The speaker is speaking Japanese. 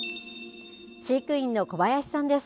飼育員の小林さんです。